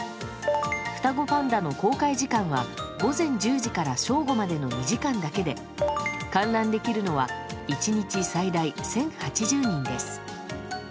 双子パンダの公開時間は午前１０時から正午までの２時間だけで観覧できるのは１日最大１０８０人です。